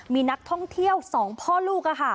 มีนักท่องเที่ยว๒พ่อลูก